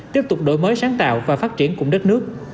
tiếp tục đổi mới sáng tạo và phát triển cùng đất nước